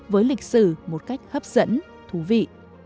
với lịch sử một cách hấp dẫn thú vị